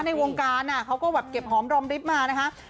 ในวงการเขาก็เก็บหอมร่มริบมานะครับ